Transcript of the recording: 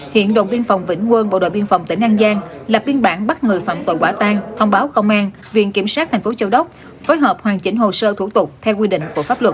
hiện đồn biên phòng vĩnh quân bộ đội biên phòng tỉnh an giang lập biên bản bắt người phạm tội quả tang thông báo công an viện kiểm sát tp châu đốc phối hợp hoàn chỉnh hồ sơ thủ tục theo quy định của pháp luật